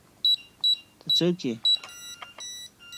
ته څوک ئې؟